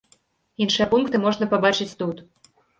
Іншыя пункты можна пабачыць тут.